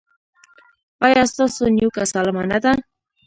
ایا ستاسو نیوکه سالمه نه ده؟